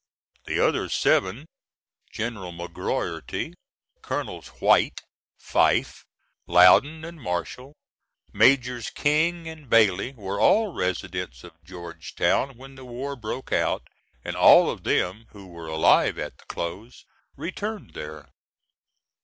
The other seven, General McGroierty, Colonels White, Fyffe, Loudon and Marshall, Majors King and Bailey, were all residents of Georgetown when the war broke out, and all of them, who were alive at the close, returned there.